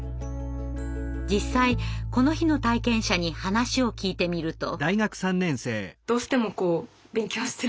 実際この日の体験者に話を聞いてみると。